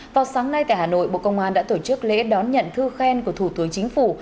vào sáng nay tại hà nội bộ công an đã tổ chức lễ đón nhận thư khen của thủ tướng chính phủ